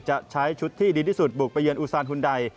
จะใช้ชุดที่ดีที่สุดบุกไปเยือนอูซานหุ่นใด